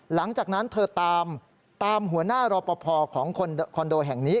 หลังจากนั้นเธอตามหัวหน้ารอปภของคอนโดแห่งนี้